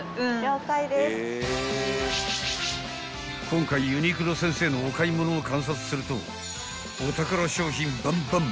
［今回ユニクロ先生のお買い物を観察するとお宝商品バンバン］